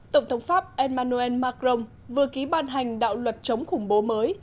tổng thống pháp emmanuel macron vừa ký ban hành đạo luật chống khủng bố mới